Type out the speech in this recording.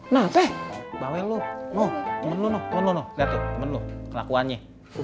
gak apa apa bawel lu temen lu lihat tuh temen lu kelakuannya